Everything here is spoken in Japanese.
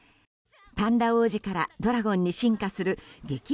パンダ王子からドラゴンに進化する激